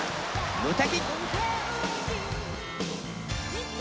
無敵！